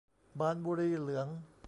บานบุรีเหลือง